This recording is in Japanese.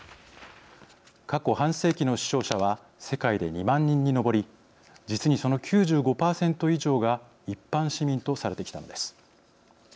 過去半世紀の死傷者は世界で２万人に上り実にその９５％以上が一般市民とされてきたのです。